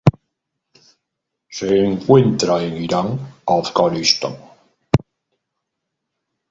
Se encuentra en Irán, Afganistán.